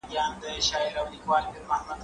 زه به سبا کالي وپرېولم،